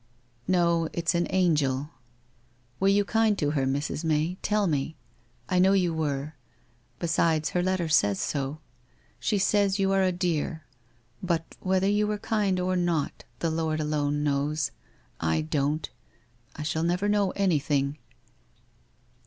No, it's an angel. Were you kind to her, Mrs. May, tell me? I know you were. Besides her letter says so. She says you are a dear. But whether you were kind or not, the Lord alone knows. I don't. I . hall never know anything.